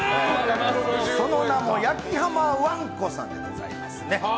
その名も焼きはまわんこさんでございます。